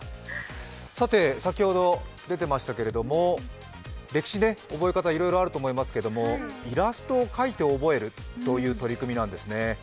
先ほど出てましたけど、歴史、覚え方いろいろあると思いますけどイラストを描いて覚えるという取り組みなんですね。